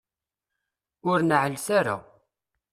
Ur neɛɛlet ara.